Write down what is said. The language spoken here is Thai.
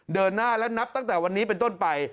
เดินหน้าและนับตั้งแต่วันนี้เป็นต้นไป